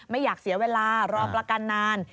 ไม่อยากเสียเวลารอประกันนาน